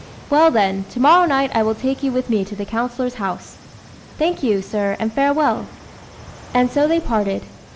"Well, then, to morrow night I will take you with me to the councillor's house." "Thank you, sir, and farewell." And so they parted.